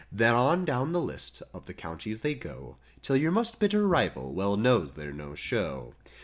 Then on down the list of the counties they go 'Till your most bitter rival well knows there's no show.